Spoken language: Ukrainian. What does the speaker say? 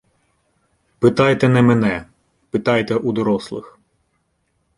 Питайте не мене – питайте у дорослих.